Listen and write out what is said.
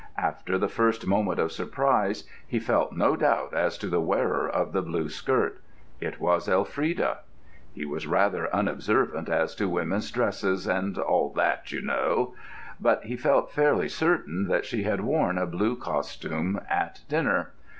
After the first moment of surprise, he felt no doubt as to the wearer of the blue skirt. It was Elfrida. He was rather unobservant as to women's dresses "and all that, you know": but he felt fairly certain that she had worn a blue costume at dinner.